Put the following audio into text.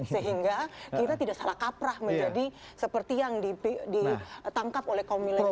sehingga kita tidak salah kaprah menjadi seperti yang ditangkap oleh kaum milenial